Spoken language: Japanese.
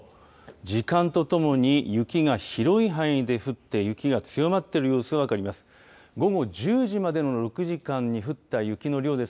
時間とともに雪が広い範囲で降って雪が強まっている様子が分かります。